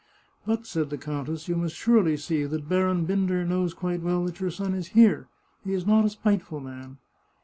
" But," said the countess, " you must surely see that Baron Binder knows quite well that your son is here. He is not a spiteful man."